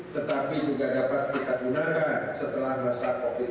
tetapi juga dapat digunakan setelah masa covid sembilan belas